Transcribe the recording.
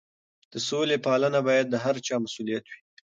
د سولې پالنه باید د هر چا مسؤلیت وي.